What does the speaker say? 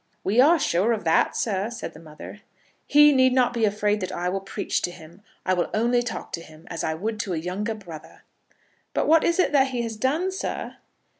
"We are sure of that, sir," said the mother. "He need not be afraid that I will preach to him. I will only talk to him, as I would to a younger brother." "But what is it that he has done, sir?"